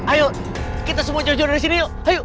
ayo kita semua jauh jauh dari sini yuk ayo